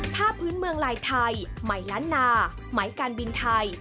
ผ้าพื้นเมืองลายไทยไหมล้านนาไหมการบินไทย